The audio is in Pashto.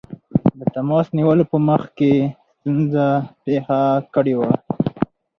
د تماس نیولو په مخ کې ستونزه پېښه کړې وه.